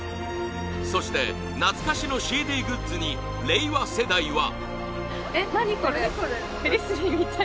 そして、懐かしのＣＤグッズに令和世代はＣＤ